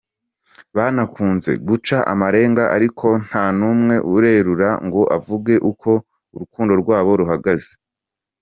Banakunze guca amarenga ariko nta n’umwe urerura ngo avuge uko urukundo rwabo ruhagaze.